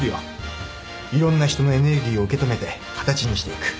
いろんな人のエネルギーを受け止めて形にしていく。